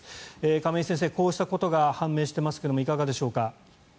亀井先生、こうしたことが判明していますがいかがでしょうか。